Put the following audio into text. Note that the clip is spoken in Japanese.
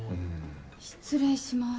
失礼します。